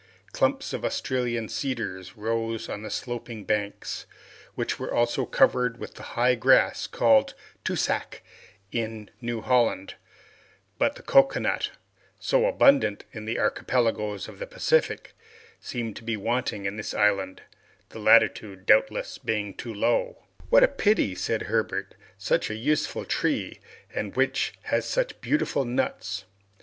Clumps of Australian cedars rose on the sloping banks, which were also covered with the high grass called "tussac" in New Holland; but the cocoanut, so abundant in the archipelagoes of the Pacific, seemed to be wanting in the island, the latitude, doubtless, being too low. "What a pity!" said Herbert, "such a useful tree, and which has such beautiful nuts!"